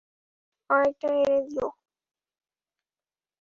আরেকটা এনে দিও।